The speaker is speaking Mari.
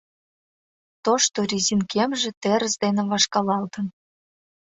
Тошто резин кемже терыс дене вашкалалтын.